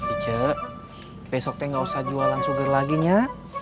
icek besoknya gak usah jualan sugar lagi ya